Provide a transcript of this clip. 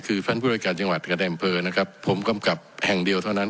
คือท่านผู้รายการจังหวัดกระแดมเฟอร์นะครับผมกำกลับแห่งเดียวเท่านั้นคือ